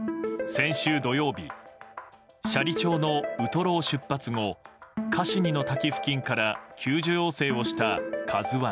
先週土曜日斜里町のウトロを出発後カシュニの滝付近から救助要請をした「ＫＡＺＵ１」。